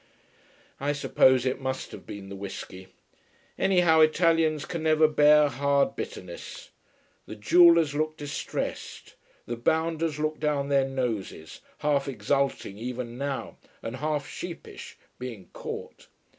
I suppose it must have been the whisky. Anyhow Italians can never bear hard bitterness. The jewellers looked distressed, the bounders looked down their noses, half exulting even now, and half sheepish, being caught.